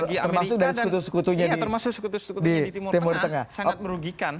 bagi amerika dan termasuk sekutu suku di timur tengah sangat merugikan